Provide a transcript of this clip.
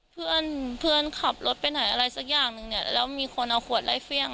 เพื่อนเพื่อนขับรถไปไหนอะไรสักอย่างนึงเนี่ยแล้วมีคนเอาขวดไล่เฟี่ยง